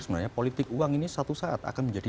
sebenarnya politik uang ini satu saat akan menjadi